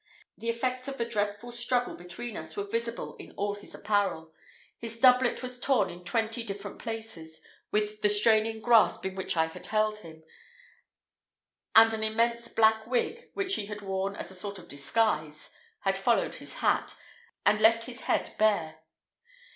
The effects of the dreadful struggle between us were visible in all his apparel. His doublet was torn in twenty different places with the straining grasp in which I had held him, and an immense black wig, which he had worn as a sort of disguise, had followed his hat, and left his head bare.